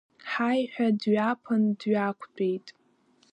Ҳаи ҳәа дҩаԥан дҩақәтәеит.